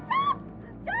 ada yang pintar nih